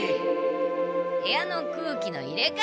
部屋の空気の入れかえ！